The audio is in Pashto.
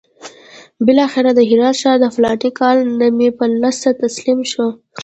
بالاخره د هرات ښار د فلاني کال د مې پر لسمه تسلیم شو.